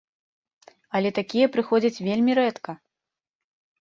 Але такія прыходзяць вельмі рэдка!